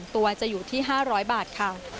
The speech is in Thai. ตัวจะอยู่ที่๕๐๐บาทค่ะ